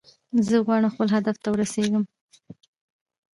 زه غواړم چې خپل هدف ته ورسیږم